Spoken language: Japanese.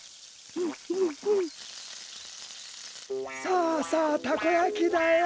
さあさあたこやきだよ。